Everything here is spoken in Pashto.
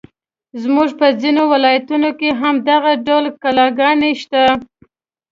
زموږ په ځینو ولایتونو کې هم دغه ډول کلاګانې شته.